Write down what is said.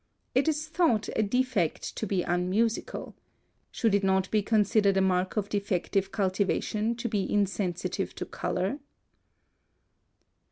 It is thought a defect to be unmusical. Should it not be considered a mark of defective cultivation to be insensitive to color?